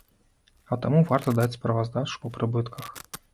А таму варта даць справаздачу па прыбытках.